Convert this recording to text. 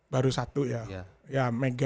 baru satu ya ya mega